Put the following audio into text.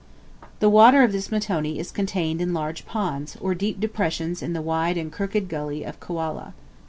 The water of this mtoni is contained in large ponds, or deep depressions in the wide and crooked gully of Kwala.